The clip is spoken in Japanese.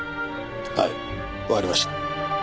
はいわかりました。